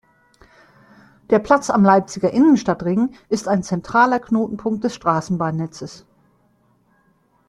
Der Platz am Leipziger Innenstadtring ist ein zentraler Knotenpunkt des Straßenbahnnetzes.